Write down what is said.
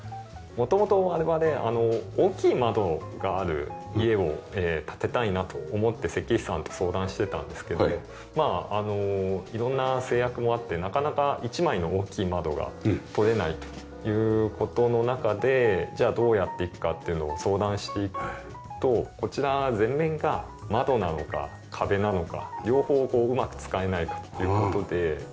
元々我々大きい窓がある家を建てたいなと思って設計士さんと相談してたんですけど色んな制約もあってなかなか１枚の大きい窓が取れないという事の中でじゃあどうやっていくかっていうのを相談していくとこちら全面が窓なのか壁なのか両方こううまく使えないかという事で。